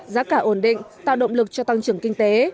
giá cả ổn định tạo động lực cho tăng trưởng kinh tế